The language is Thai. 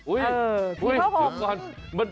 เอ๋ยเดี๋ยวก่อน